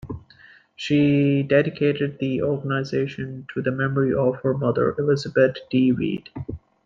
She dedicated the organization to the memory of her mother, Elizabeth D. Wead.